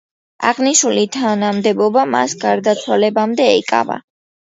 აღნიშნული თანამდებობა მას გარდაცვალებამდე ეკავა.